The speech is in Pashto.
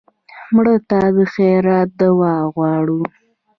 مړه ته د خیرات دوام غواړو